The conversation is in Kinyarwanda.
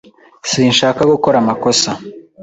Sinshaka gukora amakosa.